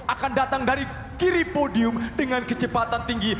akan datang dari kiri podium dengan kecepatan tinggi